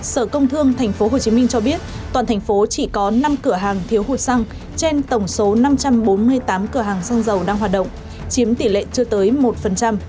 sở công thương tp hcm cho biết toàn thành phố chỉ có năm cửa hàng thiếu hụt xăng trên tổng số năm trăm bốn mươi tám cửa hàng xăng dầu đang hoạt động chiếm tỷ lệ chưa tới một